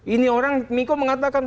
ini orang miko mengatakan